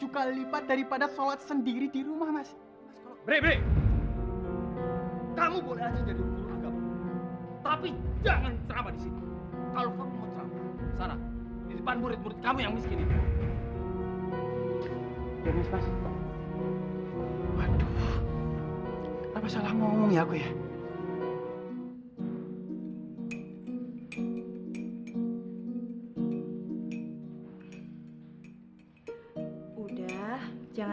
ganti punya uang